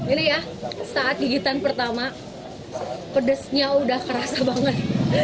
ini ya saat gigitan pertama pedesnya udah kerasa banget